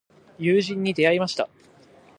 友人に出会いました。